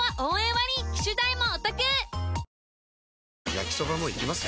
焼きソバもいきます？